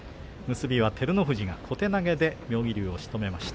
結びは照ノ富士が小手投げで妙義龍をしとめました。